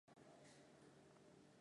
ila wanachokifanya ni kwamba